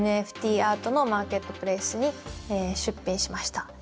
アートのマーケットプレイスに出品しました。